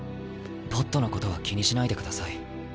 ポットのことは気にしないでください。